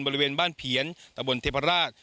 บริเวณบ้านเพียนตะบนเทพราช